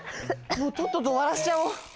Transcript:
もうとっととおわらしちゃおう。